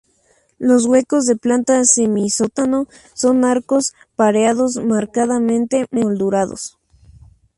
Los huecos de planta semisótano son arcos pareados marcadamente moldurados.